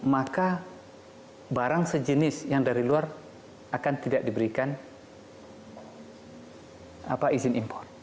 maka barang sejenis yang dari luar akan tidak diberikan izin impor